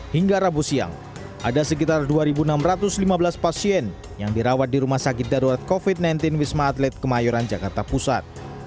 hingga rabu siang ada sekitar dua enam ratus lima belas pasien yang dirawat di rumah sakit darurat covid sembilan belas wisma atlet kemayoran jakarta pusat